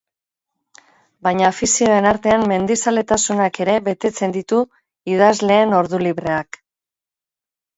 Baina afizioen artean mendizaletasunak ere betetzen ditu idazleen ordu libreak.